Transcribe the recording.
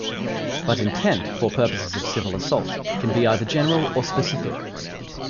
But intent for purposes of civil assault can be either general or specific.